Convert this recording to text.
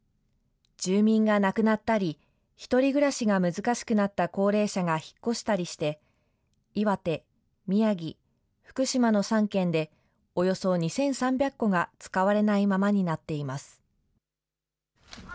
住民が亡くなったり、１人暮らしが難しくなった高齢者が引っ越したりして、岩手、宮城、福島の３県で、およそ２３００戸が使われないままになっています。